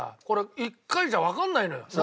これ１回じゃわかんないのよ